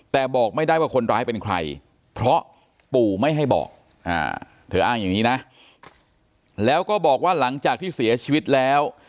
เธออ้างอย่างนี้นะแล้วก็บอกว่าหลังจากที่เสียชีวิตแล้ว